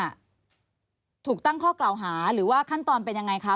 มาแล้วเนี่ยถูกตั้งข้อกล่าวหาหรือว่าขั้นตอนเป็นยังไงครับ